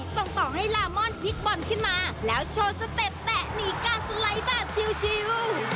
ส่งต่อให้ลามอนพลิกบอลขึ้นมาแล้วโชว์สเต็ปแตะหนีการสไลด์แบบชิล